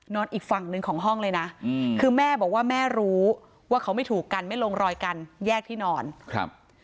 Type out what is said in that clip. อีกฝั่งหนึ่งของห้องเลยนะคือแม่บอกว่าแม่รู้ว่าเขาไม่ถูกกันไม่ลงรอยกันแยกที่นอนครับ